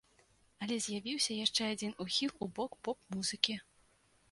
Але з'явіўся яшчэ адзін ухіл у бок поп-музыкі.